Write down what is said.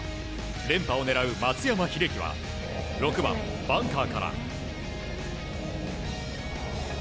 連覇を狙う松山英樹は６番、バンカーから。